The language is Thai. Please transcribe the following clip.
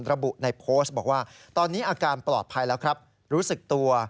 ระบุในโพสต์บอกว่าตอนนี้อาการปลอดภัยแล้วครับรู้สึกตัว